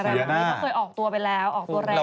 เธอเคยออกตัวไปแล้วออกตัวแรงไปแล้ว